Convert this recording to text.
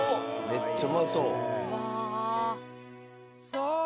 めっちゃうまそう。